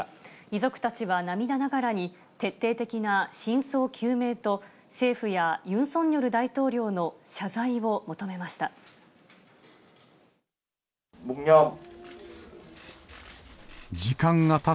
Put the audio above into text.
遺族たちは涙ながらに、徹底的な真相究明と政府やユン・ソンニョル大統領の謝罪を求めました。